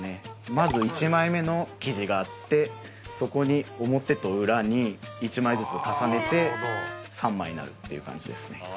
まず１枚目の生地があってそこに表と裏に１枚ずつ重ねて３枚になるっていう感じですね。